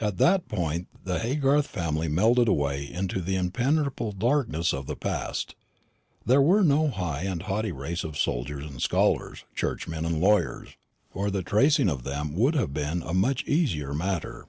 At that point the Haygarth family melted away into the impenetrable darkness of the past. They were no high and haughty race of soldiers and scholars, churchmen and lawyers, or the tracing of them would have been a much easier matter.